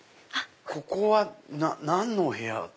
ここは何のお部屋？